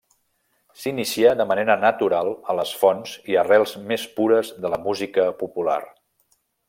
S'inicià de manera natural a les fonts i arrels més pures de la música popular.